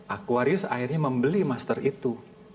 akwarius akhirnya membeli master itu